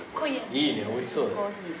いいねおいしそうだね。